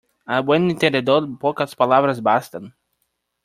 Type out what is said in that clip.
Al buen entendedor, pocas palabras bastan.